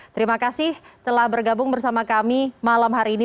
terima kasih telah bergabung bersama kami malam hari ini